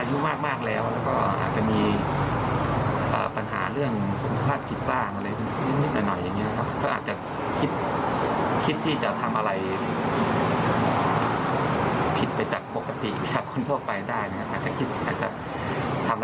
อืม